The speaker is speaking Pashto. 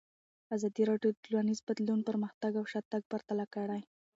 ازادي راډیو د ټولنیز بدلون پرمختګ او شاتګ پرتله کړی.